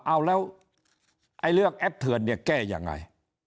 เอาแล้วไอ้เรื่องแอปเถือนเนี่ยแก้ยังไง